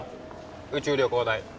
宇宙旅行代。